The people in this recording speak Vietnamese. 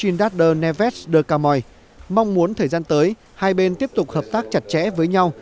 inderter neves de camoy mong muốn thời gian tới hai bên tiếp tục hợp tác chặt chẽ với nhau